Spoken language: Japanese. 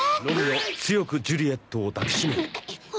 「ロミオ強くジュリエットを抱きしめる！」